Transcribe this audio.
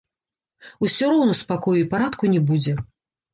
Усё роўна спакою і парадку не будзе.